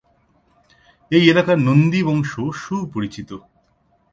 এই এলাকার নন্দী বংশ সুপরিচিত।